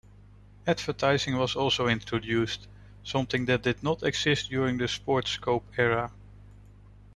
Advertising was also introduced, something that did not exist during the Sportscope era.